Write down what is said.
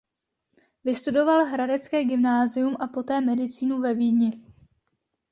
Vystudoval hradecké gymnázium a poté medicínu ve Vídni.